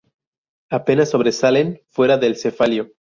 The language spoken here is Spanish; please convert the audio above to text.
Apenas sobresalen fuera del cefalio.